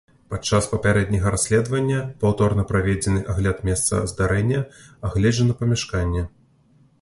Падчас папярэдняга расследавання паўторна праведзены агляд месца здарэння, агледжана памяшканне.